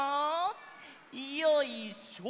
よいしょ！